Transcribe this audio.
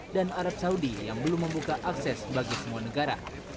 dan arab saudi yang belum membuka akses bagi semua negara